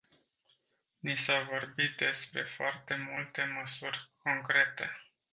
Ni s-a vorbit despre foarte multe măsuri concrete.